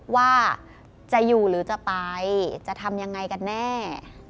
ว่าจะอยู่หรือจะไปจะทำยังไงกันแน่